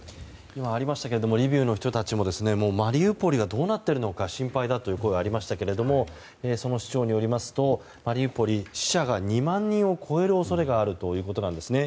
今ありましたがリビウの人たちもマリウポリがどうなっているのか心配だという声がありましたがその市長によりますとマリウポリ、死者が２万人を超える恐れがあるということなんですね。